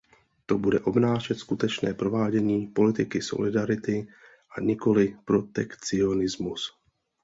To bude obnášet skutečné provádění politiky solidarity, a nikoli protekcionismus.